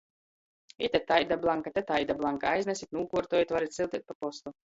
Ite taida blanka, te taida blanka. Aiznesit, nūkuortojit. Varit syuteit pa postu.